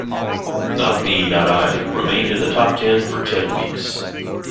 "Not Me, Not I" remained in the top ten for ten weeks.